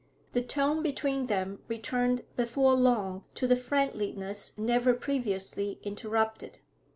The tone between them returned before long to the friendliness never previously interrupted.